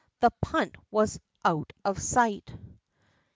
the punt was out of sight.